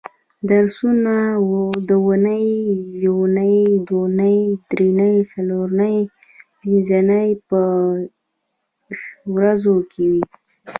درسونه د اونۍ یونۍ دونۍ درېنۍ څلورنۍ پبنځنۍ په ورځو کې وي